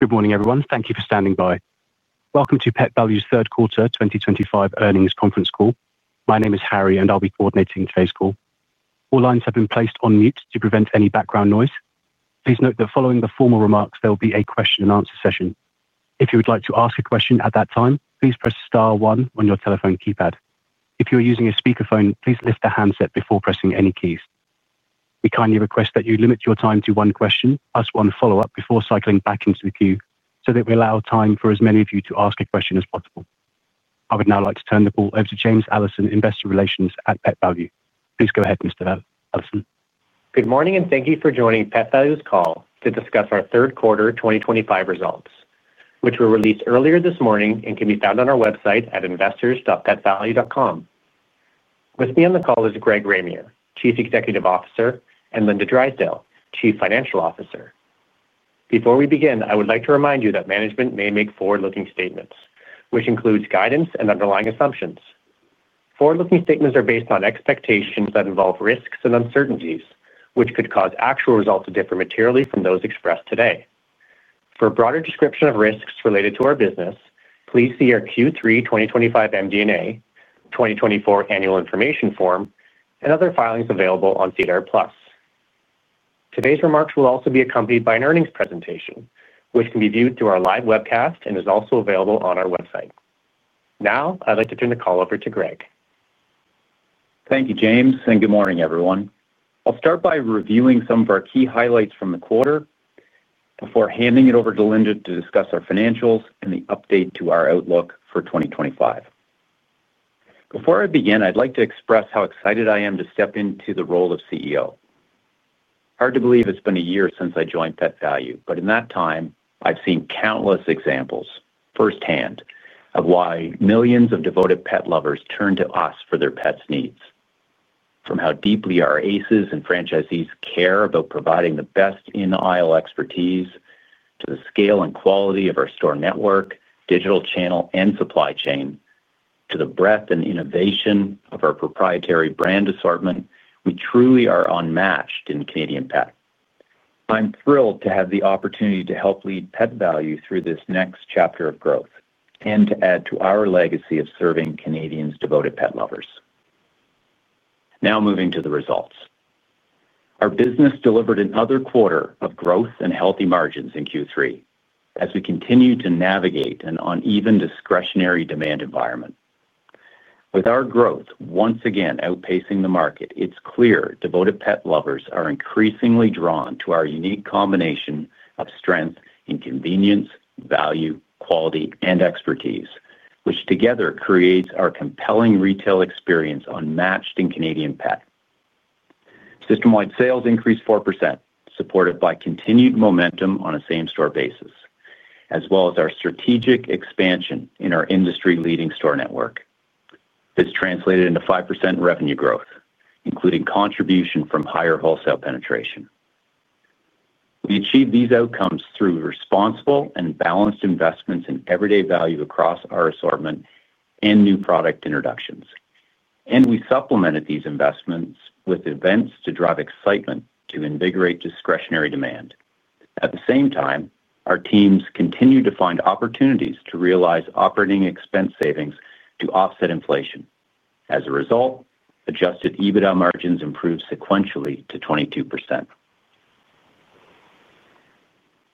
Good morning, everyone. Thank you for standing by. Welcome to Pet Valu's third quarter 2025 earnings conference call. My name is Harry, and I'll be coordinating today's call. All lines have been placed on mute to prevent any background noise. Please note that following the formal remarks, there will be a question-and-answer session. If you would like to ask a question at that time, please press star one on your telephone keypad. If you are using a speakerphone, please lift the handset before pressing any keys. We kindly request that you limit your time to one question, plus one follow-up before cycling back into the queue, so that we allow time for as many of you to ask a question as possible. I would now like to turn the call over to James Allison, Investor Relations at Pet Valu. Please go ahead, Mr. Allison. Good morning, and thank you for joining Pet Valu's call to discuss our third quarter 2025 results, which were released earlier this morning and can be found on our website at investors.petvalu.com. With me on the call is Greg Ramier, Chief Executive Officer, and Linda Drysdale, Chief Financial Officer. Before we begin, I would like to remind you that management may make forward-looking statements, which includes guidance and underlying assumptions. Forward-looking statements are based on expectations that involve risks and uncertainties, which could cause actual results to differ materially from those expressed today. For a broader description of risks related to our business, please see our Q3 2025 MD&A, 2024 annual information form and other filings available on SEDAR+. Today's remarks will also be accompanied by an earnings presentation, which can be viewed through our live webcast and is also available on our website. Now, I'd like to turn the call over to Greg. Thank you, James, and good morning, everyone. I'll start by reviewing some of our key highlights from the quarter before handing it over to Linda to discuss our financials and the update to our outlook for 2025. Before I begin, I'd like to express how excited I am to step into the role of CEO. Hard to believe it's been a year since I joined Pet Valu, but in that time, I've seen countless examples firsthand of why millions of devoted pet lovers turn to us for their pets' needs. From how deeply our ACEs and franchisees care about providing the best in-aisle expertise, to the scale and quality of our store network, digital channel, and supply chain, to the breadth and innovation of our proprietary brand assortment, we truly are unmatched in Canadian pet. I'm thrilled to have the opportunity to help lead Pet Valu through this next chapter of growth and to add to our legacy of serving Canadians' devoted pet lovers. Now, moving to the results. Our business delivered another quarter of growth and healthy margins in Q3 as we continue to navigate an uneven discretionary demand environment. With our growth once again outpacing the market, it's clear devoted pet lovers are increasingly drawn to our unique combination of strength in convenience, value, quality, and expertise, which together creates our compelling retail experience unmatched in Canadian pet. System-wide sales increased 4%, supported by continued momentum on a same-store basis, as well as our strategic expansion in our industry-leading store network. This translated into 5% revenue growth, including contribution from higher wholesale penetration. We achieved these outcomes through responsible and balanced investments in everyday value across our assortment and new product introductions, and we supplemented these investments with events to drive excitement to invigorate discretionary demand. At the same time, our teams continued to find opportunities to realize operating expense savings to offset inflation. As a result, Adjusted EBITDA margins improved sequentially to 22%.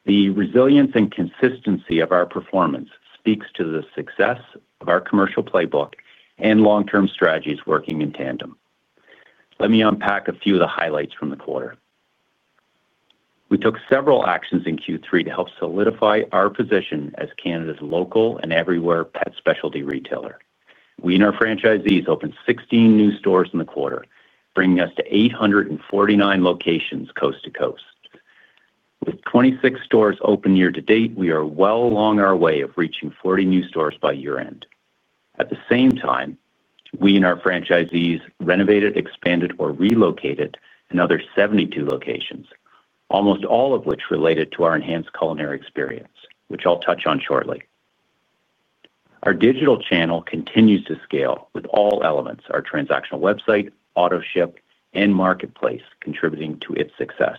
The resilience and consistency of our performance speaks to the success of our commercial playbook and long-term strategies working in tandem. Let me unpack a few of the highlights from the quarter. We took several actions in Q3 to help solidify our position as Canada's local and everywhere pet specialty retailer. We and our franchisees opened 16 new stores in the quarter, bringing us to 849 locations coast to coast. With 26 stores open year to date, we are well along our way of reaching 40 new stores by year-end. At the same time, we and our franchisees renovated, expanded, or relocated in other 72 locations, almost all of which related to our enhanced culinary experience, which I'll touch on shortly. Our digital channel continues to scale with all elements: our transactional website, auto ship, and marketplace contributing to its success.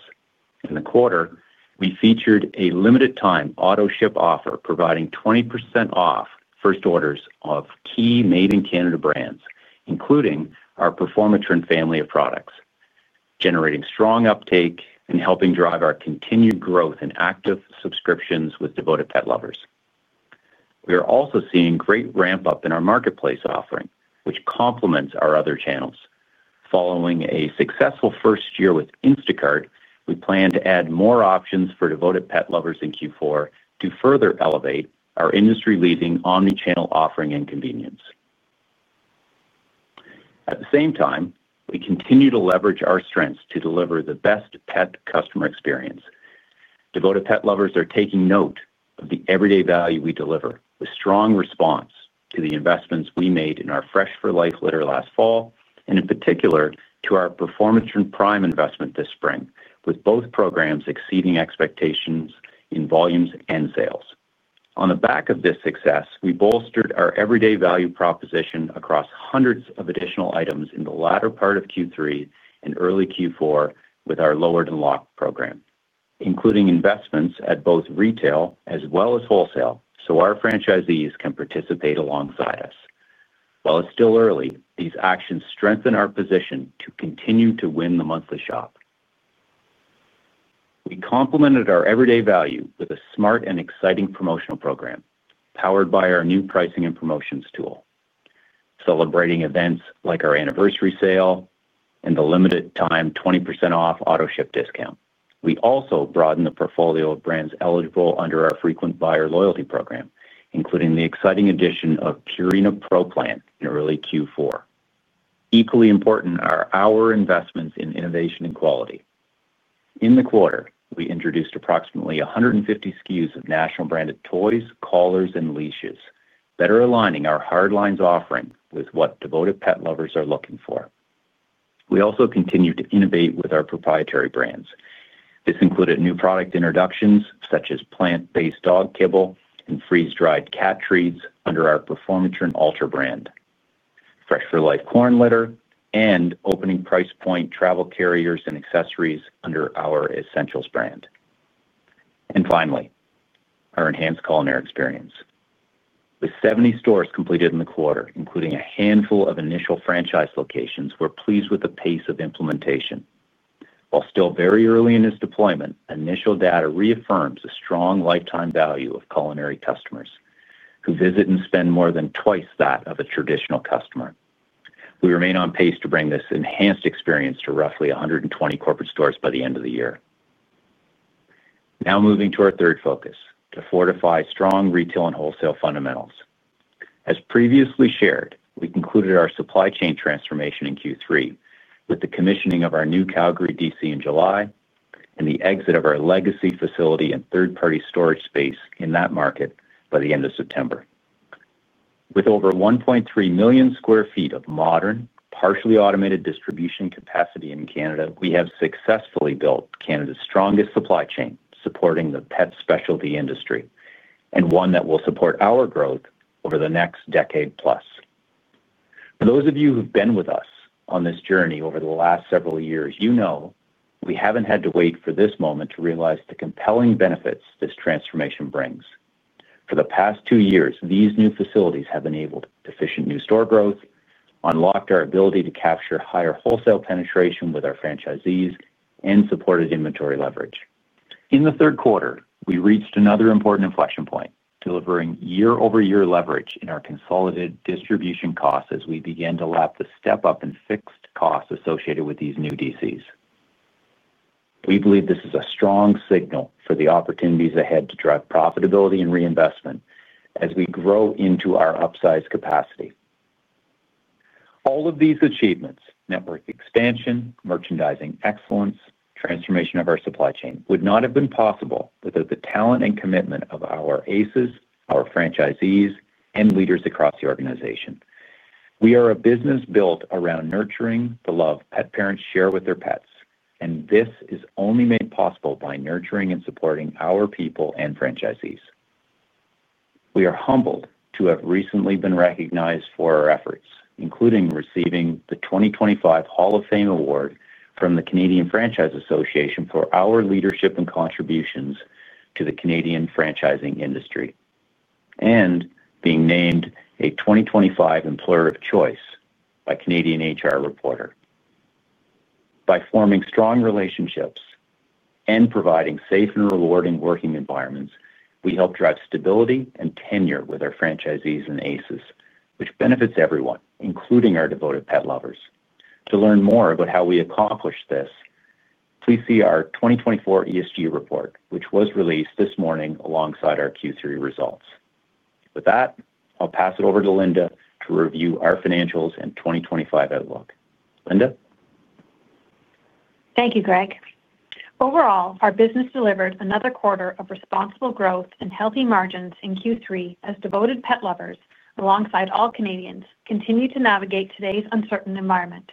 In the quarter, we featured a limited-time auto ship offer providing 20% off first orders of key made-in-Canada brands, including our Performatrin family of products, generating strong uptake and helping drive our continued growth in active subscriptions with devoted pet lovers. We are also seeing a great ramp-up in our marketplace offering, which complements our other channels. Following a successful first year with Instacart, we plan to add more options for devoted pet lovers in Q4 to further elevate our industry-leading omnichannel offering and convenience. At the same time, we continue to leverage our strengths to deliver the best pet customer experience. Devoted pet lovers are taking note of the everyday value we deliver, with strong response to the investments we made in our Fresh 4 Life litter last fall, and in particular to our Performatrin Prime investment this spring, with both programs exceeding expectations in volumes and sales. On the back of this success, we bolstered our everyday value proposition across hundreds of additional items in the latter part of Q3 and early Q4 with our Lowered and Locked program, including investments at both retail as well as wholesale, so our franchisees can participate alongside us. While it's still early, these actions strengthen our position to continue to win the monthly shop. We complemented our everyday value with a smart and exciting promotional program powered by our new pricing and promotions tool, celebrating events like our anniversary sale and the limited-time 20% off auto ship discount. We also broadened the portfolio of brands eligible under our frequent buyer loyalty program, including the exciting addition of Purina Pro Plan in early Q4. Equally important are our investments in innovation and quality. In the quarter, we introduced approximately 150 SKUs of national-branded toys, collars, and leashes, better aligning our hard lines offering with what devoted pet lovers are looking for. We also continue to innovate with our proprietary brands. This included new product introductions such as plant-based dog kibble and freeze-dried cat treats under our Performatrin Ultra brand, Fresh 4 Life corn litter, and opening price point travel carriers and accessories under our Essentials brand, and finally, our enhanced culinary experience. With 70 stores completed in the quarter, including a handful of initial franchise locations, we're pleased with the pace of implementation. While still very early in its deployment, initial data reaffirms the strong lifetime value of culinary customers who visit and spend more than twice that of a traditional customer. We remain on pace to bring this enhanced experience to roughly 120 corporate stores by the end of the year. Now moving to our third focus, to fortify strong retail and wholesale fundamentals. As previously shared, we concluded our supply chain transformation in Q3 with the commissioning of our new Calgary DC in July and the exit of our legacy facility and third-party storage space in that market by the end of September. With over 1.3 million sq ft of modern, partially automated distribution capacity in Canada, we have successfully built Canada's strongest supply chain supporting the pet specialty industry and one that will support our growth over the next decade plus. For those of you who've been with us on this journey over the last several years, you know we haven't had to wait for this moment to realize the compelling benefits this transformation brings. For the past two years, these new facilities have enabled efficient new store growth, unlocked our ability to capture higher wholesale penetration with our franchisees, and supported inventory leverage. In the third quarter, we reached another important inflection point, delivering year-over-year leverage in our consolidated distribution costs as we began to lap the step-up in fixed costs associated with these new DCs. We believe this is a strong signal for the opportunities ahead to drive profitability and reinvestment as we grow into our upsized capacity. All of these achievements (network expansion, merchandising excellence, transformation of our supply chain) would not have been possible without the talent and commitment of our ACEs, our franchisees, and leaders across the organization. We are a business built around nurturing the love pet parents share with their pets, and this is only made possible by nurturing and supporting our people and franchisees. We are humbled to have recently been recognized for our efforts, including receiving the 2025 Hall of Fame Award from the Canadian Franchise Association for our leadership and contributions to the Canadian franchising industry, and being named a 2025 Employer of Choice by Canadian HR Reporter. By forming strong relationships and providing safe and rewarding working environments, we help drive stability and tenure with our franchisees and ACEs, which benefits everyone, including our devoted pet lovers. To learn more about how we accomplished this, please see our 2024 ESG report, which was released this morning alongside our Q3 results. With that, I'll pass it over to Linda to review our financials and 2025 outlook. Linda. Thank you, Greg. Overall, our business delivered another quarter of responsible growth and healthy margins in Q3 as devoted pet lovers, alongside all Canadians, continued to navigate today's uncertain environment.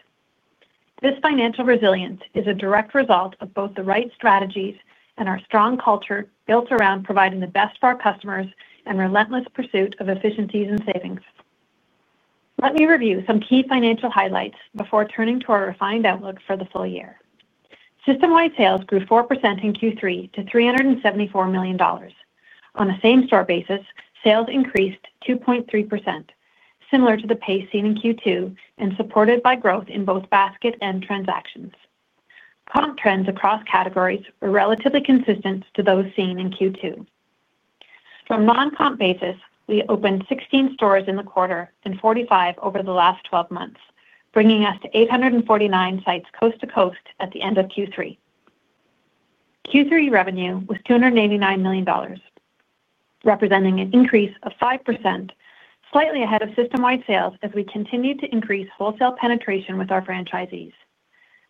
This financial resilience is a direct result of both the right strategies and our strong culture built around providing the best for our customers and relentless pursuit of efficiencies and savings. Let me review some key financial highlights before turning to our refined outlook for the full year. System-wide sales grew 4% in Q3 to 374 million dollars. On a same-store basis, sales increased 2.3%, similar to the pace seen in Q2 and supported by growth in both basket and transactions. Comp trends across categories were relatively consistent to those seen in Q2. From a non-comp basis, we opened 16 stores in the quarter and 45 over the last 12 months, bringing us to 849 sites coast to coast at the end of Q3. Q3 revenue was 289 million dollars. Representing an increase of 5%, slightly ahead of system-wide sales as we continued to increase wholesale penetration with our franchisees.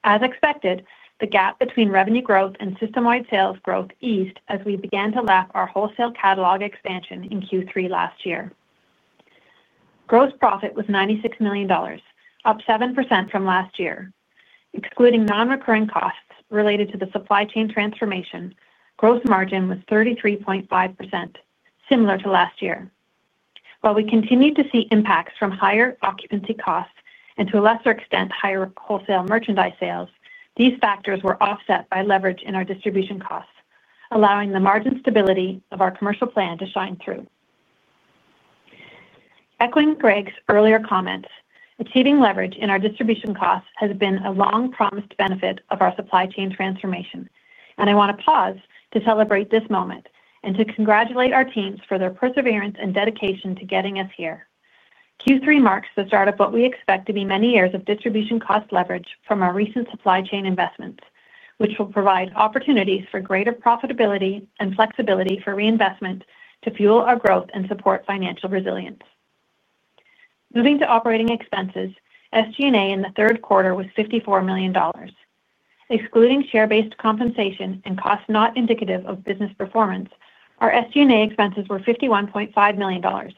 As expected, the gap between revenue growth and system-wide sales growth eased as we began to lap our wholesale catalog expansion in Q3 last year. Gross profit was 96 million dollars, up 7% from last year. Excluding non-recurring costs related to the supply chain transformation, gross margin was 33.5%, similar to last year. While we continued to see impacts from higher occupancy costs and, to a lesser extent, higher wholesale merchandise sales, these factors were offset by leverage in our distribution costs, allowing the margin stability of our commercial plan to shine through. Echoing Greg's earlier comments, achieving leverage in our distribution costs has been a long-promised benefit of our supply chain transformation, and I want to pause to celebrate this moment and to congratulate our teams for their perseverance and dedication to getting us here. Q3 marks the start of what we expect to be many years of distribution cost leverage from our recent supply chain investments, which will provide opportunities for greater profitability and flexibility for reinvestment to fuel our growth and support financial resilience. Moving to operating expenses, SG&A in the third quarter was 54 million dollars. Excluding share-based compensation and costs not indicative of business performance, our SG&A expenses were 51.5 million dollars,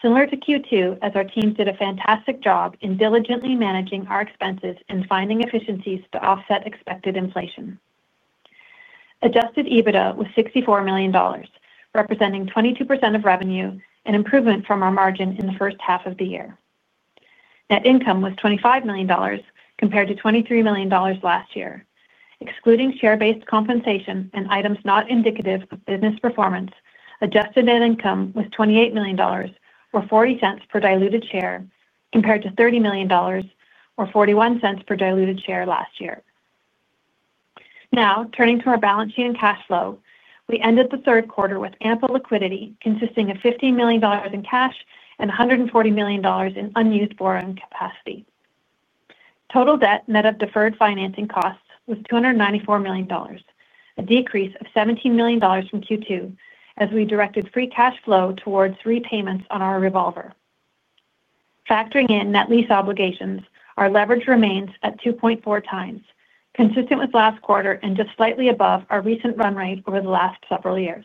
similar to Q2 as our teams did a fantastic job in diligently managing our expenses and finding efficiencies to offset expected inflation. Adjusted EBITDA was 64 million dollars, representing 22% of revenue and improvement from our margin in the first half of the year. Net income was 25 million dollars, compared to 23 million dollars last year. Excluding share-based compensation and items not indicative of business performance, adjusted net income was 28 million dollars, or 0.40 per diluted share, compared to 30 million dollars, or 0.41 per diluted share last year. Now, turning to our balance sheet and cash flow, we ended the third quarter with ample liquidity consisting of 15 million dollars in cash and 140 million dollars in unused borrowing capacity. Total debt net of deferred financing costs was 294 million dollars, a decrease of 17 million dollars from Q2 as we directed free cash flow towards repayments on our revolver. Factoring in net lease obligations, our leverage remains at 2.4 times, consistent with last quarter and just slightly above our recent run rate over the last several years.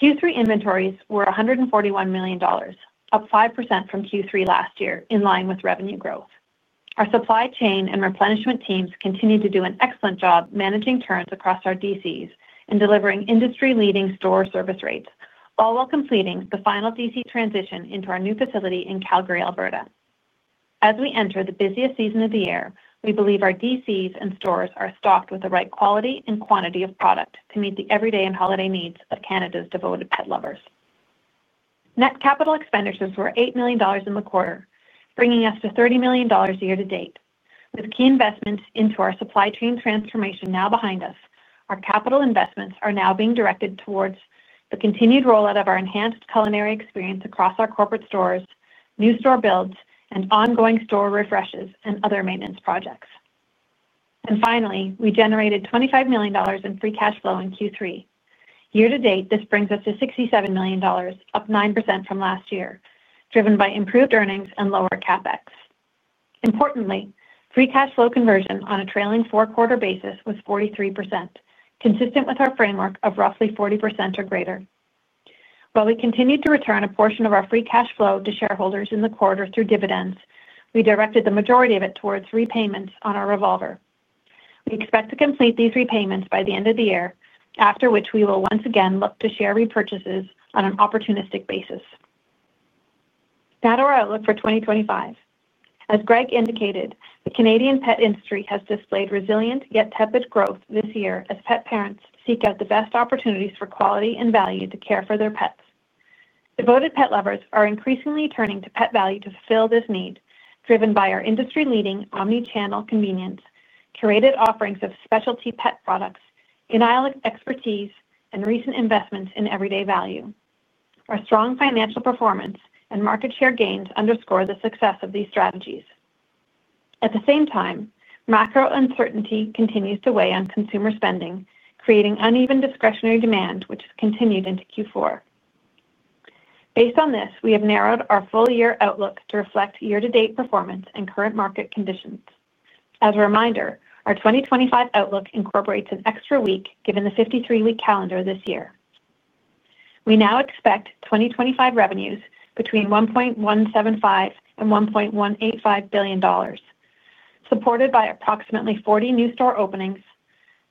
Q3 inventories were 141 million dollars, up 5% from Q3 last year, in line with revenue growth. Our supply chain and replenishment teams continued to do an excellent job managing turns across our DCs and delivering industry-leading store service rates, all while completing the final DC transition into our new facility in Calgary, Alberta. As we enter the busiest season of the year, we believe our DCs and stores are stocked with the right quality and quantity of product to meet the everyday and holiday needs of Canada's devoted pet lovers. Net capital expenditures were 8 million dollars in the quarter, bringing us to 30 million dollars year to date. With key investments into our supply chain transformation now behind us, our capital investments are now being directed towards the continued rollout of our enhanced culinary experience across our corporate stores, new store builds, and ongoing store refreshes and other maintenance projects. And finally, we generated 25 million dollars in free cash flow in Q3. Year to date, this brings us to 67 million dollars, up 9% from last year, driven by improved earnings and lower CapEx. Importantly, free cash flow conversion on a trailing four-quarter basis was 43%, consistent with our framework of roughly 40% or greater. While we continued to return a portion of our free cash flow to shareholders in the quarter through dividends, we directed the majority of it towards repayments on our revolver. We expect to complete these repayments by the end of the year, after which we will once again look to share repurchases on an opportunistic basis. That's our outlook for 2025. As Greg indicated, the Canadian pet industry has displayed resilient yet tepid growth this year as pet parents seek out the best opportunities for quality and value to care for their pets. Devoted pet lovers are increasingly turning to Pet Valu to fulfill this need, driven by our industry-leading omnichannel convenience, curated offerings of specialty pet products, in-aisle expertise, and recent investments in everyday value. Our strong financial performance and market share gains underscore the success of these strategies. At the same time, macro uncertainty continues to weigh on consumer spending, creating uneven discretionary demand, which has continued into Q4. Based on this, we have narrowed our full-year outlook to reflect year-to-date performance and current market conditions. As a reminder, our 2025 outlook incorporates an extra week given the 53-week calendar this year. We now expect 2025 revenues between 1.175 billion and 1.185 billion dollars. Supported by approximately 40 new store openings,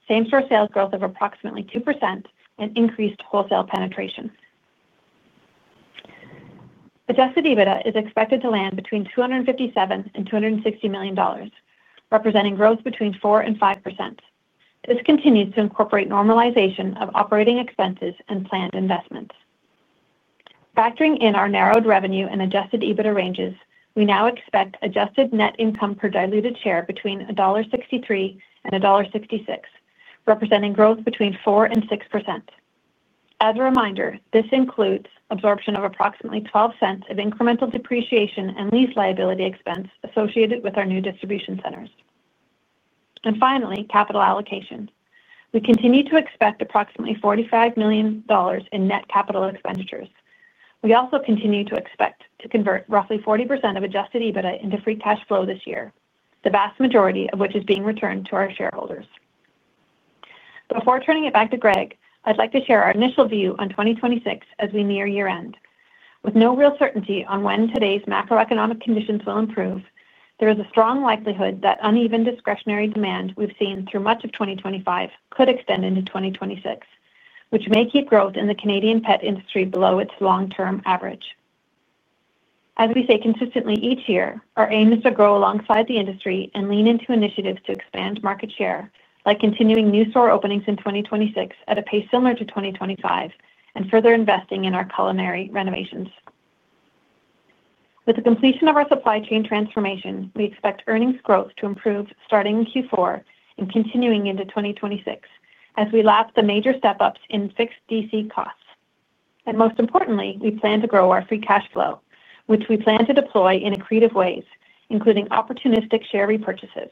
same-store sales growth of approximately 2%, and increased wholesale penetration. Adjusted EBITDA is expected to land between 257 million and 260 million dollars, representing growth between 4% and 5%. This continues to incorporate normalization of operating expenses and planned investments. Factoring in our narrowed revenue and adjusted EBITDA ranges, we now expect adjusted net income per diluted share between dollar 1.63 and dollar 1.66, representing growth between 4% and 6%. As a reminder, this includes absorption of approximately 0.12 of incremental depreciation and lease liability expense associated with our new distribution centers. And finally, capital allocation. We continue to expect approximately 45 million dollars in net capital expenditures. We also continue to expect to convert roughly 40% of adjusted EBITDA into free cash flow this year, the vast majority of which is being returned to our shareholders. Before turning it back to Greg, I'd like to share our initial view on 2026 as we near year-end. With no real certainty on when today's macroeconomic conditions will improve, there is a strong likelihood that uneven discretionary demand we've seen through much of 2025 could extend into 2026, which may keep growth in the Canadian pet industry below its long-term average. As we say consistently each year, our aim is to grow alongside the industry and lean into initiatives to expand market share, like continuing new store openings in 2026 at a pace similar to 2025 and further investing in our culinary renovations. With the completion of our supply chain transformation, we expect earnings growth to improve starting in Q4 and continuing into 2026 as we lap the major step-ups in fixed DC costs. And most importantly, we plan to grow our free cash flow, which we plan to deploy in accretive ways, including opportunistic share repurchases.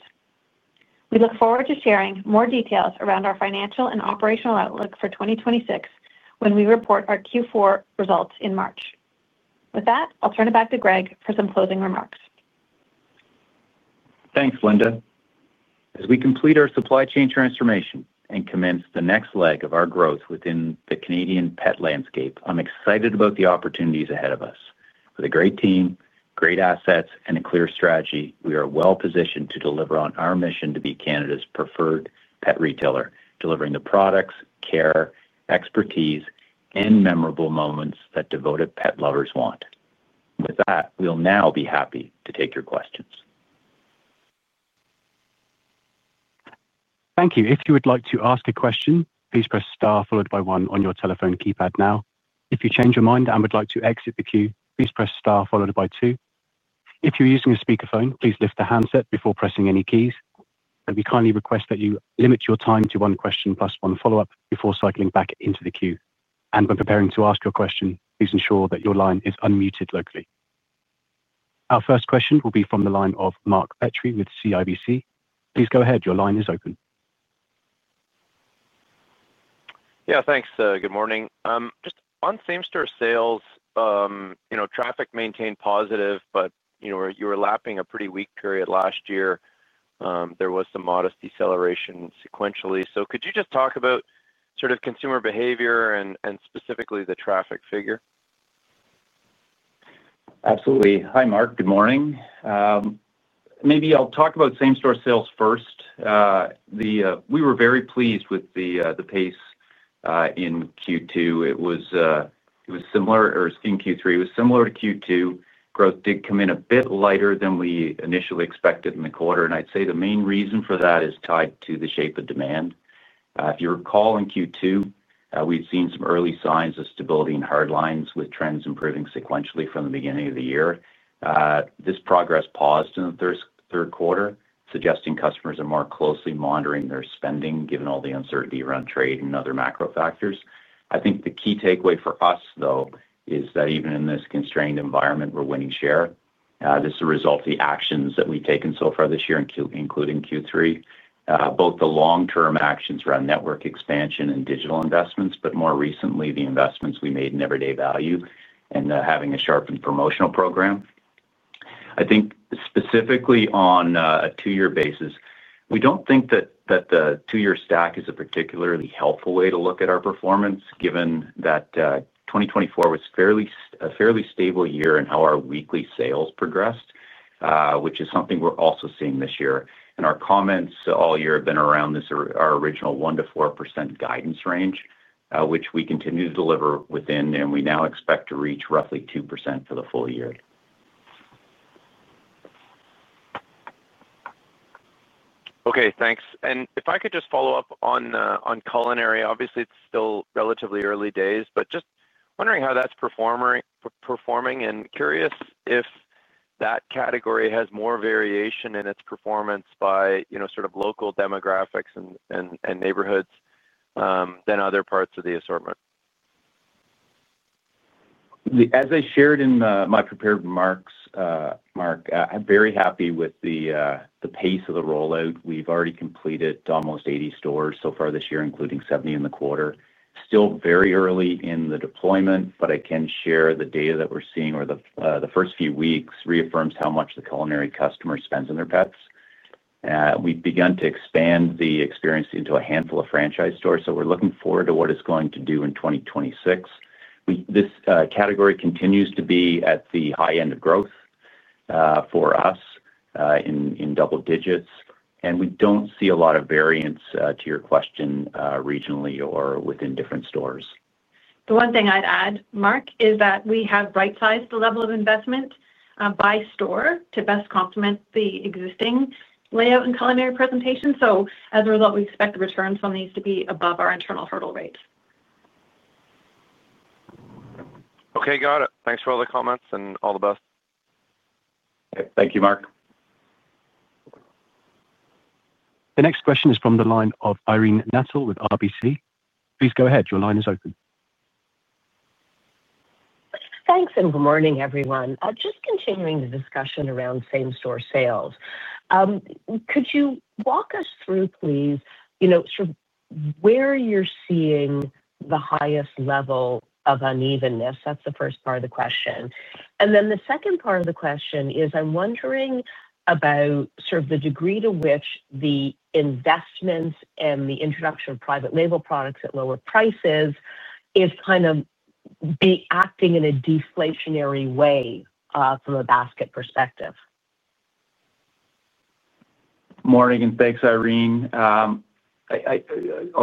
We look forward to sharing more details around our financial and operational outlook for 2026 when we report our Q4 results in March. With that, I'll turn it back to Greg for some closing remarks. Thanks, Linda. As we complete our supply chain transformation and commence the next leg of our growth within the Canadian pet landscape, I'm excited about the opportunities ahead of us. With a great team, great assets, and a clear strategy, we are well-positioned to deliver on our mission to be Canada's preferred pet retailer, delivering the products, care, expertise, and memorable moments that devoted pet lovers want. With that, we'll now be happy to take your questions. Thank you. If you would like to ask a question, please press Star followed by 1 on your telephone keypad now. If you change your mind and would like to exit the queue, please press Star followed by 2. If you're using a speakerphone, please lift the handset before pressing any keys. We kindly request that you limit your time to one question plus one follow-up before cycling back into the queue, and when preparing to ask your question, please ensure that your line is unmuted locally. Our first question will be from the line of Mark Petrie with CIBC. Please go ahead. Your line is open. Yeah, thanks. Good morning. Just on same-store sales, traffic maintained positive, but you were lapping a pretty weak period last year. There was some modest deceleration sequentially. So could you just talk about sort of consumer behavior and specifically the traffic figure? Absolutely. Hi, Mark. Good morning. Maybe I'll talk about same-store sales first. We were very pleased with the pace in Q2. It was similar in Q3, it was similar to Q2. Growth did come in a bit lighter than we initially expected in the quarter. And I'd say the main reason for that is tied to the shape of demand. If you recall, in Q2, we'd seen some early signs of stability in hard lines with trends improving sequentially from the beginning of the year. This progress paused in the third quarter, suggesting customers are more closely monitoring their spending, given all the uncertainty around trade and other macro factors. I think the key takeaway for us, though, is that even in this constrained environment, we're winning share. This is a result of the actions that we've taken so far this year, including Q3, both the long-term actions around network expansion and digital investments, but more recently, the investments we made in everyday value and having a sharpened promotional program. I think specifically on a two-year basis, we don't think that the two-year stack is a particularly helpful way to look at our performance, given that 2024 was a fairly stable year in how our weekly sales progressed, which is something we're also seeing this year. And our comments all year have been around our original 1%-4% guidance range, which we continue to deliver within, and we now expect to reach roughly 2% for the full year. Okay, thanks. And if I could just follow up on culinary, obviously, it's still relatively early days, but just wondering how that's performing and curious if that category has more variation in its performance by sort of local demographics and neighborhoods than other parts of the assortment. As I shared in my prepared remarks, Mark, I'm very happy with the pace of the rollout. We've already completed almost 80 stores so far this year, including 70 in the quarter. Still very early in the deployment, but I can share the data that we're seeing over the first few weeks reaffirms how much the culinary customer spends on their pets. We've begun to expand the experience into a handful of franchise stores, so we're looking forward to what it's going to do in 2026. This category continues to be at the high end of growth. For us. In double digits. And we don't see a lot of variance, to your question, regionally or within different stores. The one thing I'd add, Mark, is that we have right-sized the level of investment. By store to best complement the existing layout and culinary presentation. So as a result, we expect the returns on these to be above our internal hurdle rates. Okay, got it. Thanks for all the comments and all the best. Thank you, Mark. The next question is from the line of Irene Nattel with RBC. Please go ahead. Your line is open. Thanks and good morning, everyone. Just continuing the discussion around same-store sales. Could you walk us through, please. Sort of where you're seeing the highest level of unevenness? That's the first part of the question. And then the second part of the question is, I'm wondering about sort of the degree to which the investments and the introduction of private label products at lower prices is kind of acting in a deflationary way from a basket perspective. Morning and thanks, Irene. I'll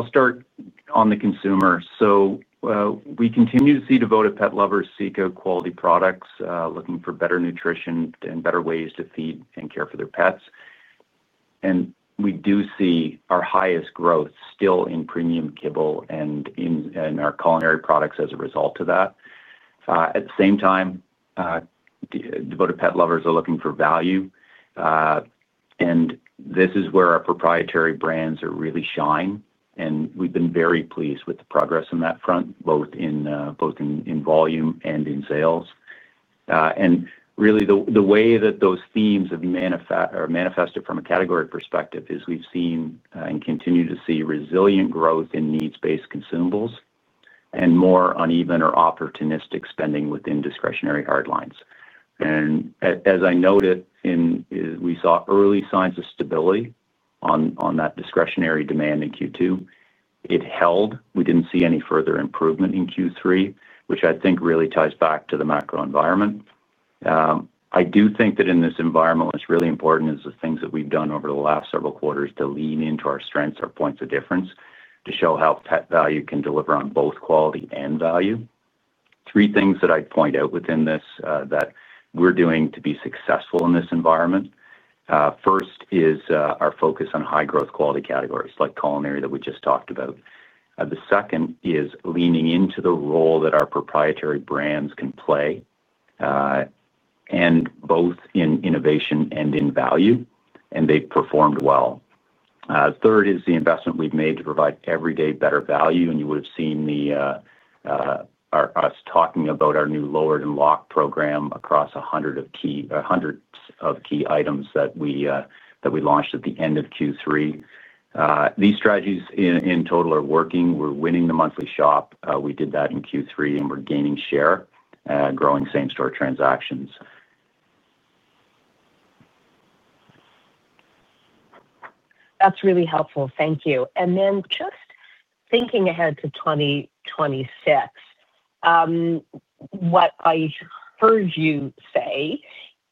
start on the consumer. So we continue to see devoted pet lovers seek out quality products, looking for better nutrition and better ways to feed and care for their pets. And we do see our highest growth still in premium kibble and in our culinary products as a result of that. At the same time, devoted pet lovers are looking for value. And this is where our proprietary brands are really shining. And we've been very pleased with the progress on that front, both in volume and in sales. And really, the way that those themes are manifested from a category perspective is we've seen and continue to see resilient growth in needs-based consumables and more uneven or opportunistic spending within discretionary hard lines. And as I noted, we saw early signs of stability on that discretionary demand in Q2. It held. We didn't see any further improvement in Q3, which I think really ties back to the macro environment. I do think that in this environment, what's really important is the things that we've done over the last several quarters to lean into our strengths, our points of difference, to show how Pet Valu can deliver on both quality and value. Three things that I'd point out within this that we're doing to be successful in this environment. First is our focus on high-growth quality categories like culinary that we just talked about. The second is leaning into the role that our proprietary brands can play, and both in innovation and in value. And they've performed well. Third is the investment we've made to provide everyday better value. And you would have seen us talking about our new Lowered & Locked program across 100s of key items that we launched at the end of Q3. These strategies in total are working. We're winning the monthly shop. We did that in Q3, and we're gaining share, growing same-store transactions. That's really helpful. Thank you. And then just thinking ahead to 2026. What I heard you say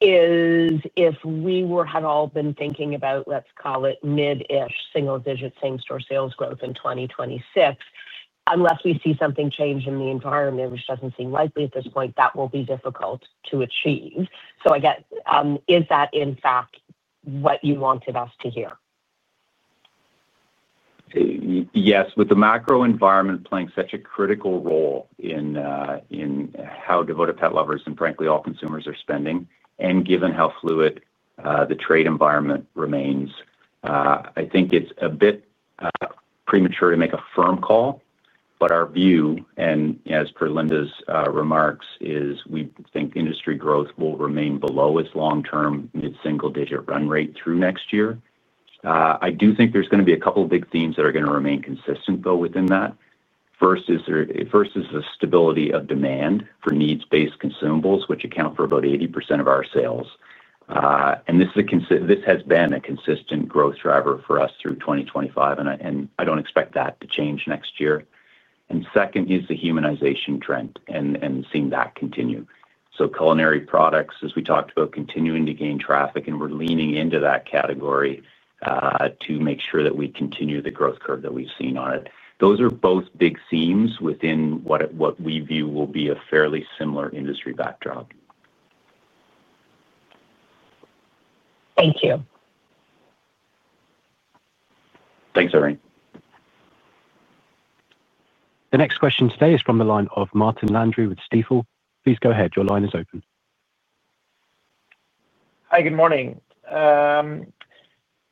is if we had all been thinking about, let's call it mid-ish single-digit same-store sales growth in 2026, unless we see something change in the environment, which doesn't seem likely at this point, that will be difficult to achieve. So I guess, is that, in fact, what you wanted us to hear? Yes. With the macro environment playing such a critical role in how devoted pet lovers and, frankly, all consumers are spending, and given how fluid the trade environment remains, I think it's a bit premature to make a firm call. But our view, and as per Linda's remarks, is we think industry growth will remain below its long-term mid-single-digit run rate through next year. I do think there's going to be a couple of big themes that are going to remain consistent, though, within that. First is the stability of demand for needs-based consumables, which account for about 80% of our sales. And this has been a consistent growth driver for us through 2025, and I don't expect that to change next year. And second is the humanization trend and seeing that continue. So culinary products, as we talked about, continuing to gain traffic, and we're leaning into that category to make sure that we continue the growth curve that we've seen on it. Those are both big themes within what we view will be a fairly similar industry backdrop. Thank you. Thanks, Irene. The next question today is from the line of Martin Landry with Stifel. Please go ahead. Your line is open. Hi, good morning.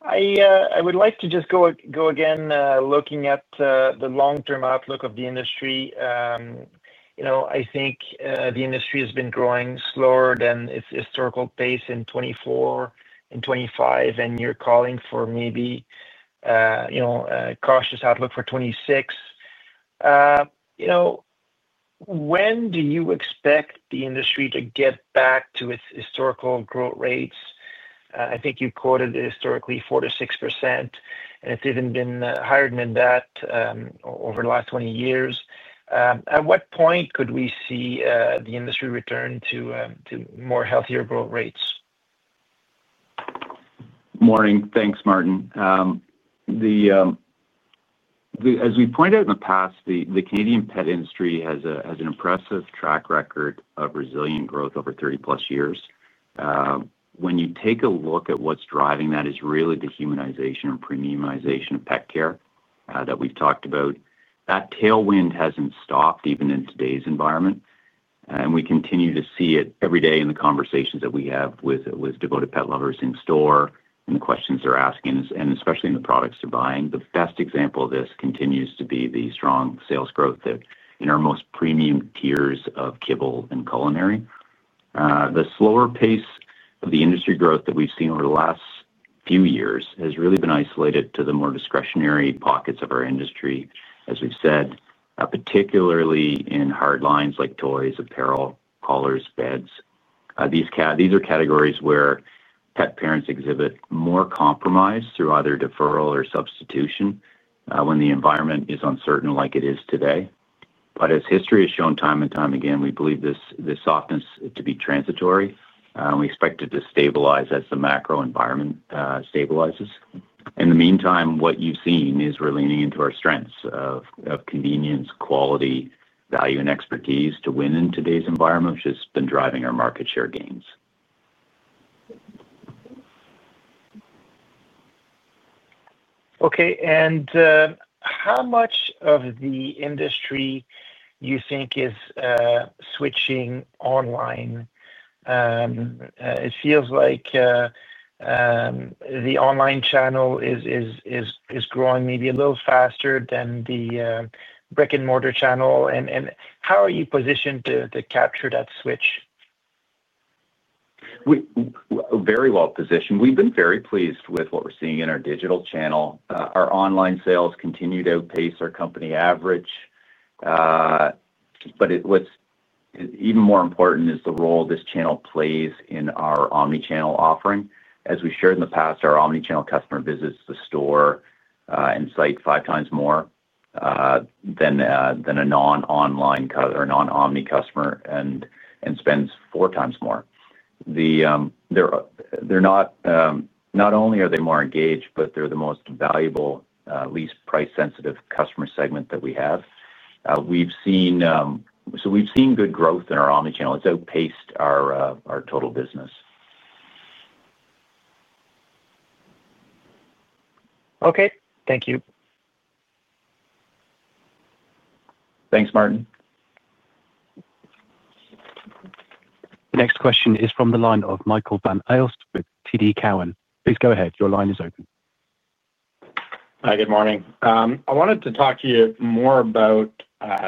I would like to just go again looking at the long-term outlook of the industry. I think the industry has been growing slower than its historical pace in 2024 and 2025, and you're calling for maybe a cautious outlook for 2026. When do you expect the industry to get back to its historical growth rates? I think you quoted historically 4-6%, and it's even been higher than that over the last 20 years. At what point could we see the industry return to more healthier growth rates? Morning. Thanks, Martin. As we pointed out in the past, the Canadian pet industry has an impressive track record of resilient growth over 30+ years. When you take a look at what's driving that, it's really the humanization and premiumization of pet care that we've talked about. That tailwind hasn't stopped even in today's environment. And we continue to see it every day in the conversations that we have with devoted pet lovers in store and the questions they're asking, and especially in the products they're buying. The best example of this continues to be the strong sales growth in our most premium tiers of kibble and culinary. The slower pace of the industry growth that we've seen over the last few years has really been isolated to the more discretionary pockets of our industry, as we've said, particularly in hard lines like toys, apparel, collars, beds. These are categories where pet parents exhibit more compromise through either deferral or substitution when the environment is uncertain like it is today. But as history has shown time and time again, we believe this softness to be transitory. We expect it to stabilize as the macro environment stabilizes. In the meantime, what you've seen is we're leaning into our strengths of convenience, quality, value, and expertise to win in today's environment, which has been driving our market share gains. Okay. And how much of the industry do you think is switching online? It feels like the online channel is growing maybe a little faster than the brick-and-mortar channel. And how are you positioned to capture that switch? Very well positioned. We've been very pleased with what we're seeing in our digital channel. Our online sales continue to outpace our company average. But what's even more important is the role this channel plays in our omnichannel offering. As we shared in the past, our omnichannel customer visits the store and site five times more than a non-online or non-omni customer and spends four times more. They're not only more engaged, but they're the most valuable, least price-sensitive customer segment that we have. So we've seen good growth in our omnichannel. It's outpaced our total business. Okay. Thank you. Thanks, Martin. The next question is from the line of Michael Van Aelst with TD Cowen. Please go ahead. Your line is open. Hi, good morning. I wanted to talk to you more about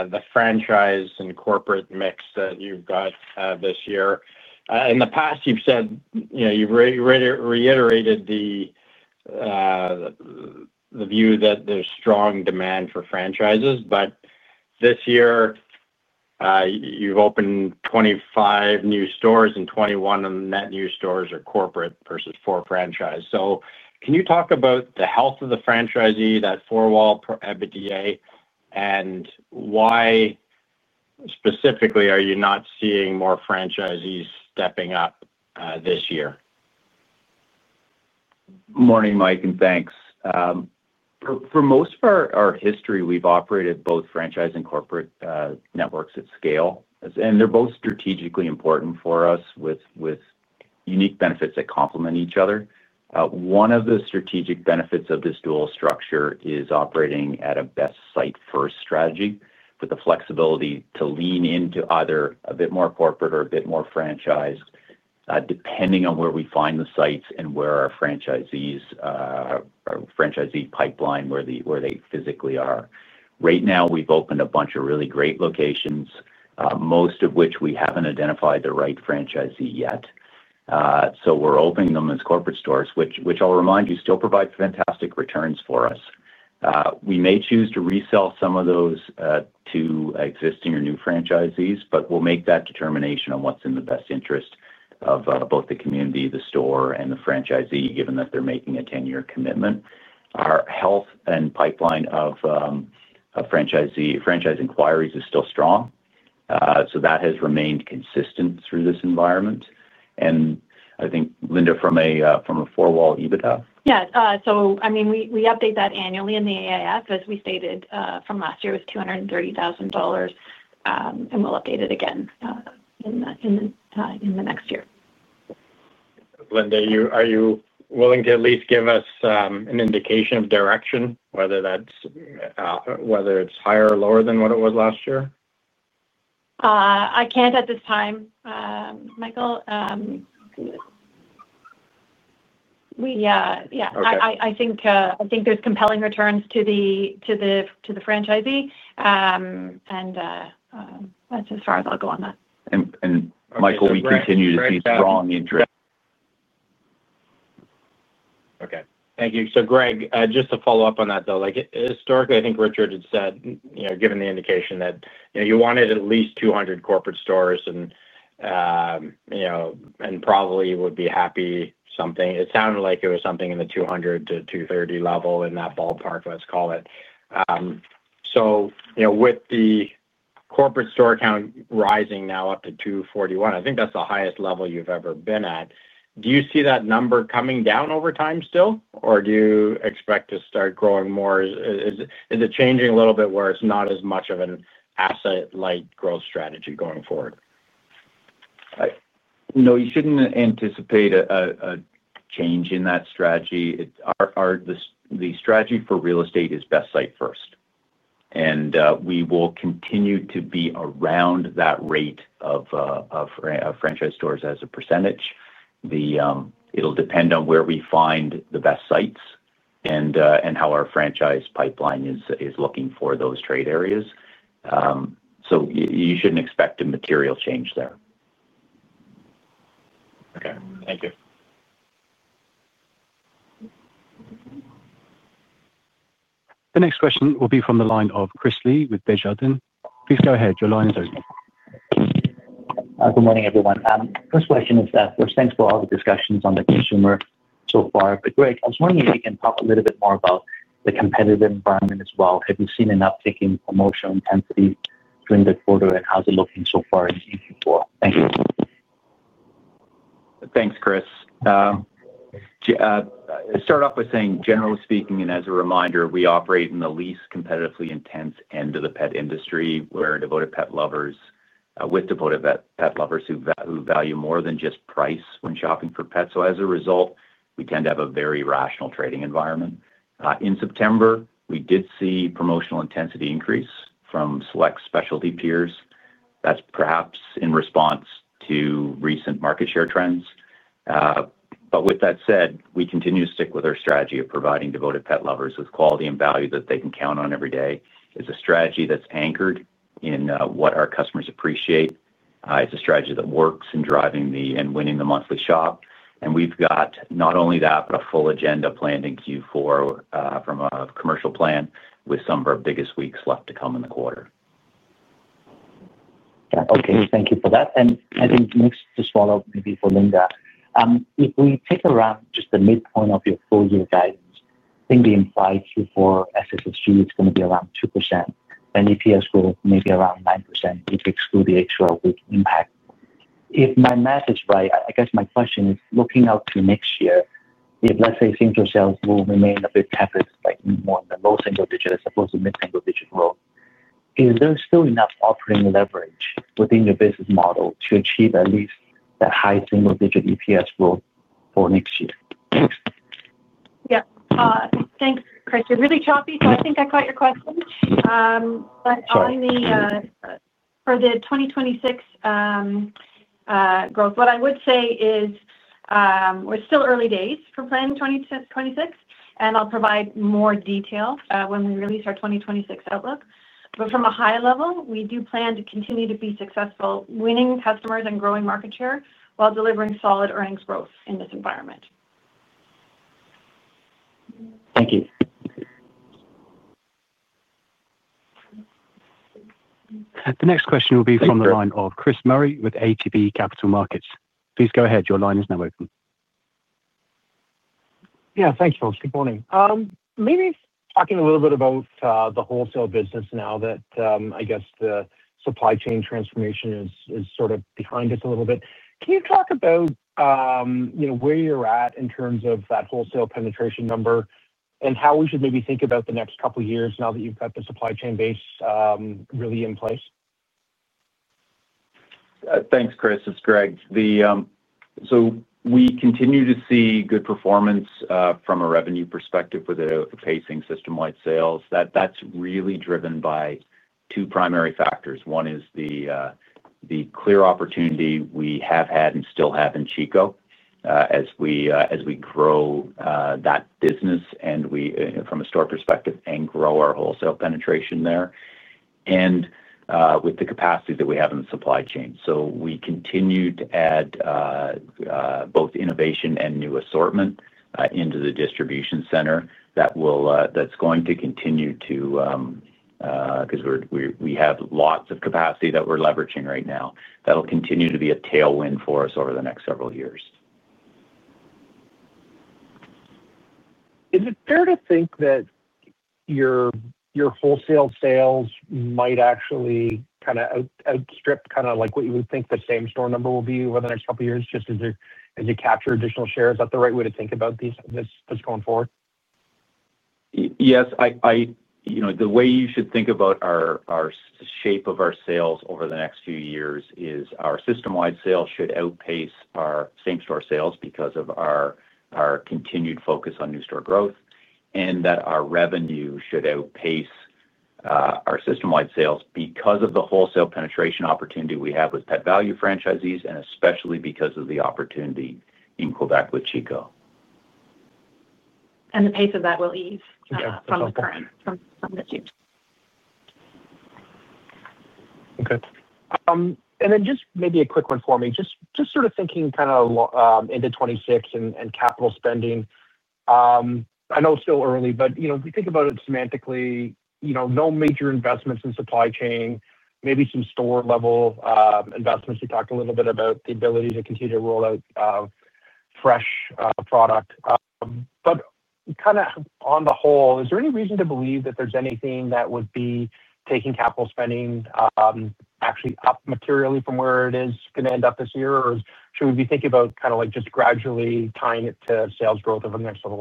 the franchise and corporate mix that you've got this year. In the past, you've said you've reiterated the view that there's strong demand for franchises, but this year you've opened 25 new stores, and 21 of the net new stores are corporate versus four franchise. So can you talk about the health of the franchisee, that four-wall EBITDA, and why specifically are you not seeing more franchisees stepping up this year? Morning, Mike, and thanks. For most of our history, we've operated both franchise and corporate networks at scale. And they're both strategically important for us with unique benefits that complement each other. One of the strategic benefits of this dual structure is operating at a best-site-first strategy with the flexibility to lean into either a bit more corporate or a bit more franchised, depending on where we find the sites and where our franchisee pipeline, where they physically are. Right now, we've opened a bunch of really great locations, most of which we haven't identified the right franchisee yet. So we're opening them as corporate stores, which I'll remind you still provide fantastic returns for us. We may choose to resell some of those to existing or new franchisees, but we'll make that determination on what's in the best interest of both the community, the store, and the franchisee, given that they're making a 10-year commitment. Our healthy pipeline of franchise inquiries is still strong. So that has remained consistent through this environment. And I think, Linda, from a four-wall EBITDA? Yeah. So I mean, we update that annually in the AIF. As we stated from last year, it was 230,000 dollars. And we'll update it again. In the next year. Linda, are you willing to at least give us an indication of direction, whether it's higher or lower than what it was last year? I can't at this time, Michael. Yeah. I think there's compelling returns to the franchisee. And that's as far as I'll go on that. Michael, we continue to see strong interest. Okay. Thank you. So Greg, just to follow up on that, though, historically, I think Richard had said, given the indication that you wanted at least 200 corporate stores and probably would be happy something. It sounded like it was something in the 200-230 level in that ballpark, let's call it. So with the corporate store count rising now up to 241, I think that's the highest level you've ever been at. Do you see that number coming down over time still, or do you expect to start growing more? Is it changing a little bit where it's not as much of an asset-like growth strategy going forward? No, you shouldn't anticipate a change in that strategy. The strategy for real estate is best-site-first. And we will continue to be around that rate of franchise stores as a percentage. It'll depend on where we find the best sites and how our franchise pipeline is looking for those trade areas. So you shouldn't expect a material change there. Okay. Thank you. The next question will be from the line of Chris Lee with Desjardins. Please go ahead. Your line is open. Good morning, everyone. First question is that we're thankful for all the discussions on the consumer so far. But Greg, I was wondering if you can talk a little bit more about the competitive environment as well. Have you seen an uptick in promotional intensity during the quarter, and how's it looking so far in Q4? Thank you. Thanks, Chris. Start off by saying, generally speaking, and as a reminder, we operate in the least competitively intense end of the pet industry where devoted pet lovers who value more than just price when shopping for pets. So as a result, we tend to have a very rational trading environment. In September, we did see promotional intensity increase from select specialty peers. That's perhaps in response to recent market share trends. But with that said, we continue to stick with our strategy of providing devoted pet lovers with quality and value that they can count on every day. It's a strategy that's anchored in what our customers appreciate. It's a strategy that works in driving and winning the monthly shop. And we've got not only that, but a full agenda planned in Q4 from a commercial plan with some of our biggest weeks left to come in the quarter. Okay. Thank you for that. And I think next to follow up maybe for Linda, if we take around just the midpoint of your full-year guidance, I think the implied Q4 SSSG is going to be around 2%. And EPS growth may be around 9% if you exclude the extra week impact. If my math is right, I guess my question is, looking out to next year, if, let's say, retail sales will remain a bit tepid, like more in the low single-digit as opposed to mid-single-digit growth, is there still enough operating leverage within your business model to achieve at least that high single-digit EPS growth for next year? Yeah. Thanks, Chris. You're really choppy, so I think I caught your question. But for the 2026 growth, what I would say is. We're still early days for planning 2026, and I'll provide more detail when we release our 2026 outlook. But from a high level, we do plan to continue to be successful, winning customers and growing market share while delivering solid earnings growth in this environment. Thank you. The next question will be from the line of Chris Murray with ATB Capital Markets. Please go ahead. Your line is now open. Yeah. Thanks, folks. Good morning. Maybe talking a little bit about the wholesale business now that I guess the supply chain transformation is sort of behind us a little bit. Can you talk about where you're at in terms of that wholesale penetration number and how we should maybe think about the next couple of years now that you've got the supply chain base really in place? Thanks, Chris. It's Greg. So we continue to see good performance from a revenue perspective with pacing system-wide sales. That's really driven by two primary factors. One is the clear opportunity we have had and still have in Chico as we grow that business from a store perspective and grow our wholesale penetration there and with the capacity that we have in the supply chain. So we continue to add both innovation and new assortment into the distribution center that's going to continue to. Because we have lots of capacity that we're leveraging right now. That'll continue to be a tailwind for us over the next several years. Is it fair to think that your wholesale sales might actually kind of outstrip kind of what you would think the same store number will be over the next couple of years just as you capture additional shares? Is that the right way to think about this going forward? Yes. The way you should think about the shape of our sales over the next few years is our system-wide sales should outpace our same-store sales because of our continued focus on new store growth, and that our revenue should outpace our system-wide sales because of the wholesale penetration opportunity we have with Pet Valu franchisees, and especially because of the opportunity in Quebec with Chico. The pace of that will ease from the change. Okay. And then just maybe a quick one for me. Just sort of thinking kind of into 2026 and capital spending. I know it's still early, but if we think about it semantically, no major investments in supply chain, maybe some store-level investments. We talked a little bit about the ability to continue to roll out fresh product. But kind of on the whole, is there any reason to believe that there's anything that would be taking capital spending actually up materially from where it is going to end up this year? Or should we be thinking about kind of just gradually tying it to sales growth over the next level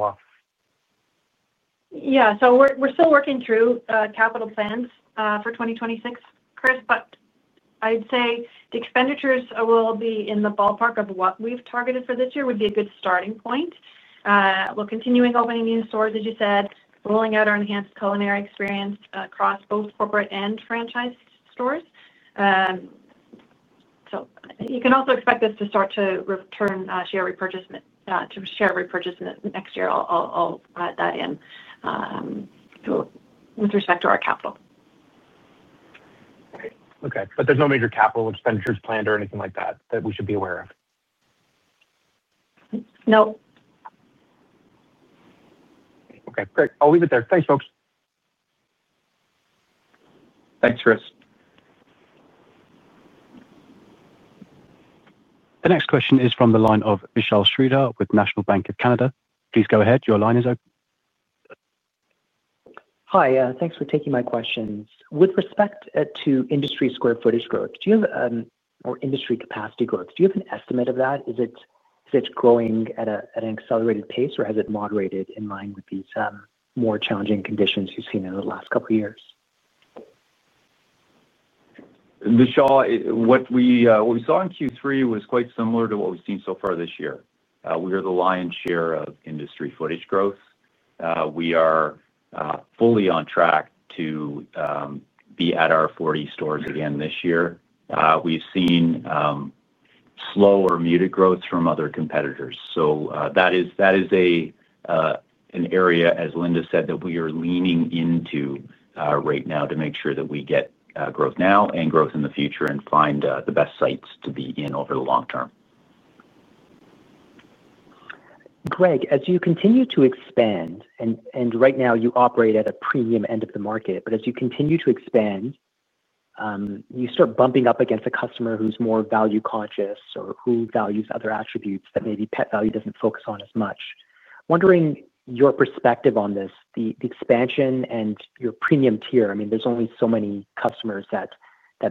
up? Yeah. So we're still working through capital plans for 2026, Chris, but I'd say the expenditures will be in the ballpark of what we've targeted for this year would be a good starting point. We're continuing opening new stores, as you said, rolling out our enhanced culinary experience across both corporate and franchise stores. So you can also expect us to start to return to share repurchases next year. I'll add that in. With respect to our capital. Okay, but there's no major capital expenditures planned or anything like that we should be aware of? No. Okay. Great. I'll leave it there. Thanks, folks. Thanks, Chris. The next question is from the line of Michel Goudreault with National Bank of Canada. Please go ahead. Your line is open. Hi. Thanks for taking my questions. With respect to industry square footage growth, do you have or industry capacity growth, do you have an estimate of that? Is it growing at an accelerated pace, or has it moderated in line with these more challenging conditions you've seen in the last couple of years? Michel, what we saw in Q3 was quite similar to what we've seen so far this year. We are the lion's share of industry foot traffic growth. We are fully on track to be at our 40 stores again this year. We've seen slower, muted growth from other competitors. So that is an area, as Linda said, that we are leaning into right now to make sure that we get growth now and growth in the future and find the best sites to be in over the long term. Greg, as you continue to expand, and right now you operate at a premium end of the market, but as you continue to expand. You start bumping up against a customer who's more value-conscious or who values other attributes that maybe Pet Valu doesn't focus on as much. Wondering your perspective on this, the expansion and your premium tier? I mean, there's only so many customers that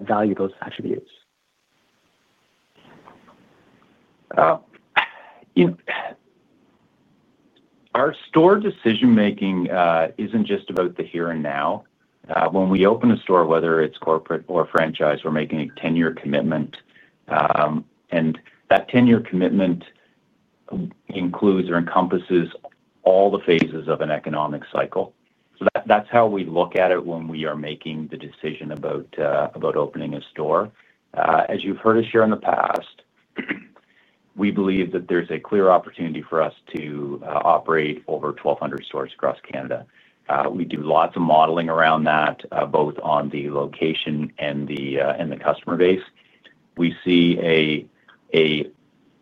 value those attributes. Our store decision-making isn't just about the here and now. When we open a store, whether it's corporate or franchise, we're making a 10-year commitment, and that 10-year commitment includes or encompasses all the phases of an economic cycle. So that's how we look at it when we are making the decision about opening a store. As you've heard us share in the past, we believe that there's a clear opportunity for us to operate over 1,200 stores across Canada. We do lots of modeling around that, both on the location and the customer base. We see a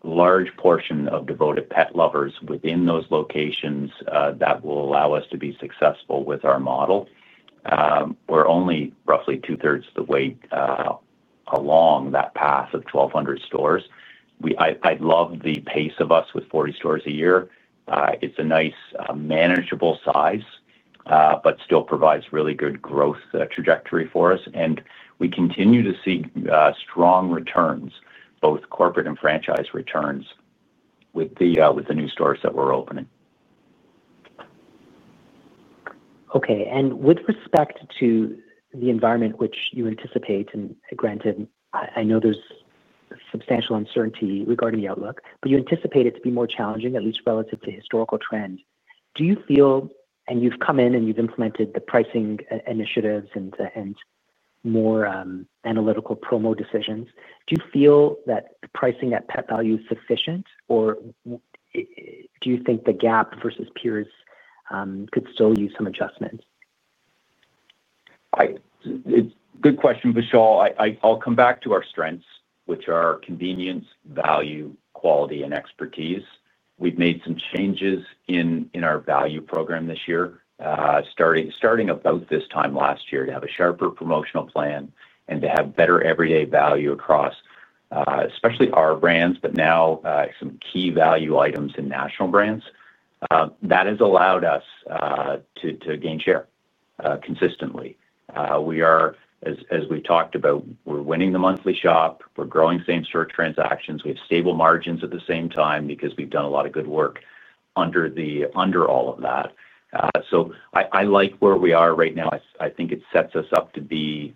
large portion of devoted pet lovers within those locations that will allow us to be successful with our model. We're only roughly two-thirds the way along that path of 1,200 stores. I love the pace of us with 40 stores a year. It's a nice manageable size, but still provides really good growth trajectory for us, and we continue to see strong returns, both corporate and franchise returns, with the new stores that we're opening. Okay. And with respect to the environment, which you anticipate, and granted, I know there's substantial uncertainty regarding the outlook, but you anticipate it to be more challenging, at least relative to historical trends. Do you feel, and you've come in and you've implemented the pricing initiatives and more analytical promo decisions, do you feel that pricing at Pet Valu is sufficient? Or do you think the gap versus peers could still use some adjustments? Good question, Michel. I'll come back to our strengths, which are convenience, value, quality, and expertise. We've made some changes in our value program this year, starting about this time last year to have a sharper promotional plan and to have better everyday value across, especially our brands, but now some key value items in national brands. That has allowed us to gain share consistently. As we've talked about, we're winning the monthly shop. We're growing same-store transactions. We have stable margins at the same time because we've done a lot of good work under all of that. So I like where we are right now. I think it sets us up to be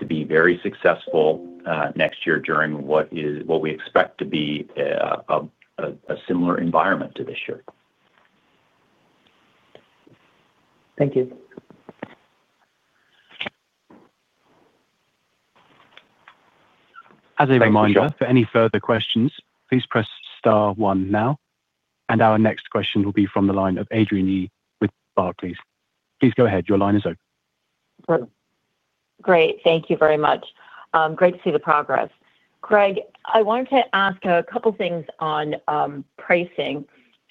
very successful next year during what we expect to be a similar environment to this year. Thank you. As a reminder, for any further questions, please press star one now. And our next question will be from the line of Adrienne Yih with Barclays. Please go ahead. Your line is open. Great. Thank you very much. Great to see the progress. Greg, I wanted to ask a couple of things on pricing.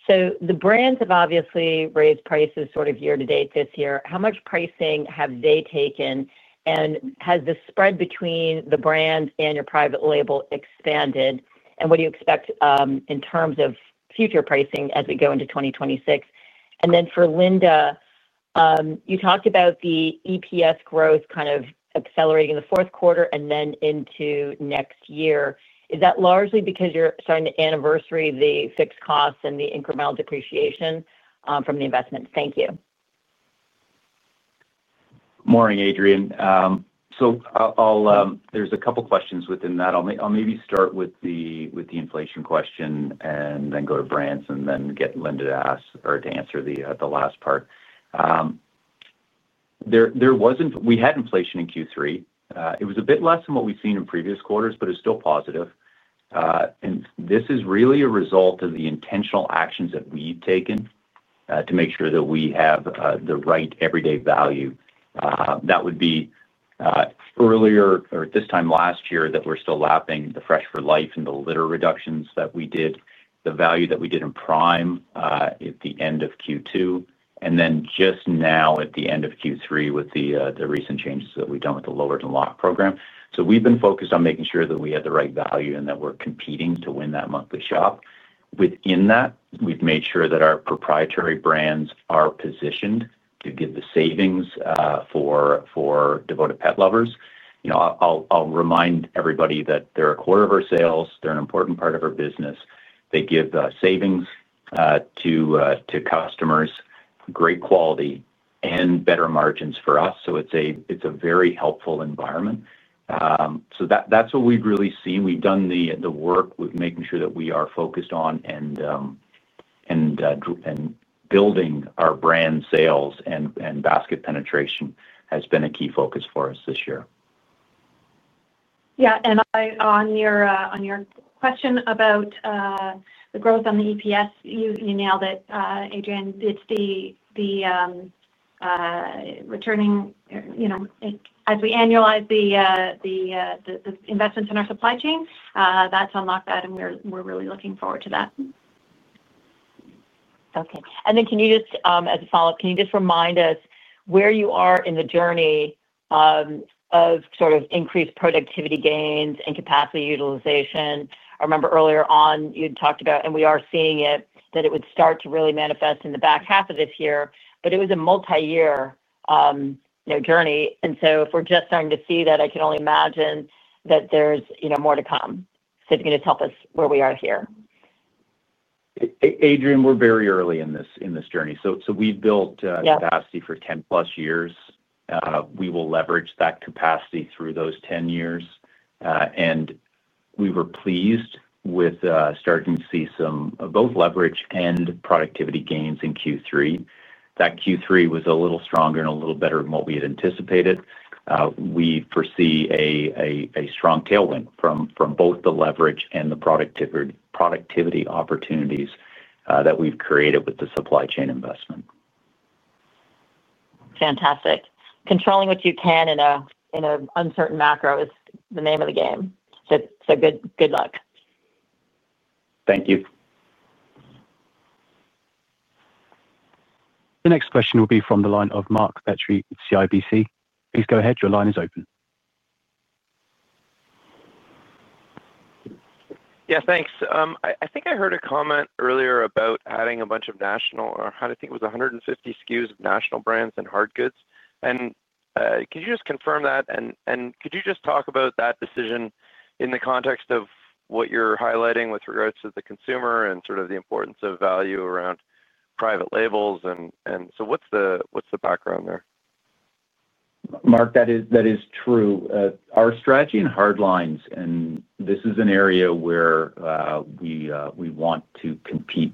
So the brands have obviously raised prices sort of year to date this year. How much pricing have they taken? And has the spread between the brand and your private label expanded? And what do you expect in terms of future pricing as we go into 2026? And then, for Linda. You talked about the EPS growth kind of accelerating the fourth quarter and then into next year. Is that largely because you're starting the anniversary, the fixed costs, and the incremental depreciation from the investment? Thank you. Morning, Adrienne. So there's a couple of questions within that. I'll maybe start with the inflation question and then go to brands and then get Linda to answer the last part. We had inflation in Q3. It was a bit less than what we've seen in previous quarters, but it's still positive. And this is really a result of the intentional actions that we've taken to make sure that we have the right everyday value. Earlier or at this time last year that we're still lapping the Fresh 4 Life and the litter reductions that we did, the value that we did in Prime at the end of Q2, and then just now at the end of Q3 with the recent changes that we've done with the Lowered & Locked program. So we've been focused on making sure that we had the right value and that we're competing to win that monthly shop. Within that, we've made sure that our proprietary brands are positioned to give the savings for devoted pet lovers. I'll remind everybody that they're a quarter of our sales. They're an important part of our business. They give savings to customers, great quality, and better margins for us. So it's a very helpful environment. So that's what we've really seen. We've done the work with making sure that we are focused on building our brand sales, and basket penetration has been a key focus for us this year. Yeah. And on your question about the growth on the EPS, you nailed it, Adrienne. It's the returning. As we annualize the investments in our supply chain, that's unlocked that, and we're really looking forward to that. Okay. And then can you just, as a follow-up, can you just remind us where you are in the journey of sort of increased productivity gains and capacity utilization? I remember earlier on you'd talked about, and we are seeing it, that it would start to really manifest in the back half of this year, but it was a multi-year journey. And so if we're just starting to see that, I can only imagine that there's more to come. So if you can just help us where we are here. Adrienne, we're very early in this journey. So we've built capacity for 10+ years. We will leverage that capacity through those 10 years, and we were pleased with starting to see some both leverage and productivity gains in Q3. That Q3 was a little stronger and a little better than what we had anticipated. We foresee a strong tailwind from both the leverage and the productivity opportunities that we've created with the supply chain investment. Fantastic. Controlling what you can in an uncertain macro is the name of the game. So good luck. Thank you. The next question will be from the line of Mark Petrie, CIBC. Please go ahead. Your line is open. Yeah, thanks. I think I heard a comment earlier about adding a bunch of national, or I think it was 150 SKUs of national brands and hard goods. And could you just confirm that? And could you just talk about that decision in the context of what you're highlighting with regards to the consumer and sort of the importance of value around private labels? And so what's the background there? Mark, that is true. Our strategy in hardlines, and this is an area where we want to compete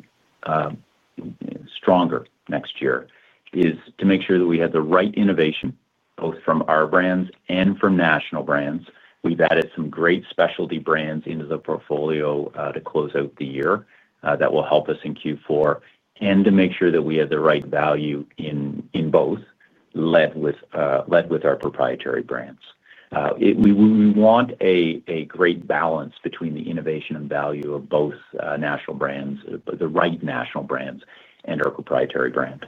stronger next year, is to make sure that we have the right innovation, both from our brands and from national brands. We've added some great specialty brands into the portfolio to close out the year that will help us in Q4 and to make sure that we have the right value in both, led with our proprietary brands. We want a great balance between the innovation and value of both national brands, the right national brands, and our proprietary brand.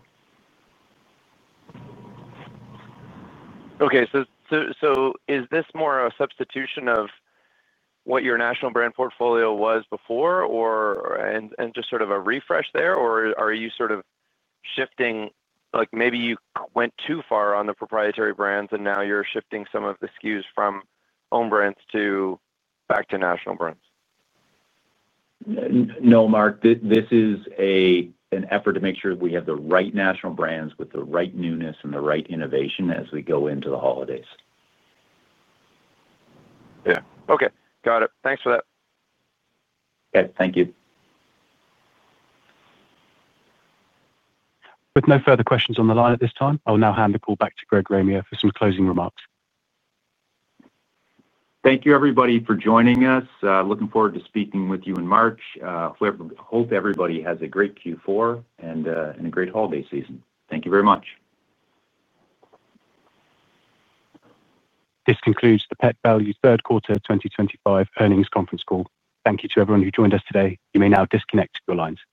Okay. So is this more a substitution of what your national brand portfolio was before, or just sort of a refresh there? Or are you sort of shifting? Maybe you went too far on the proprietary brands, and now you're shifting some of the SKUs from own brands back to national brands. No, Mark. This is an effort to make sure that we have the right national brands with the right newness and the right innovation as we go into the holidays. Yeah. Okay. Got it. Thanks for that. Okay. Thank you. With no further questions on the line at this time, I'll now hand the call back to Greg Ramier for some closing remarks. Thank you, everybody, for joining us. Looking forward to speaking with you in March. Hope everybody has a great Q4 and a great holiday season. Thank you very much. This concludes the Pet Valu Third Quarter 2025 Earnings Conference Call. Thank you to everyone who joined us today. You may now disconnect your lines.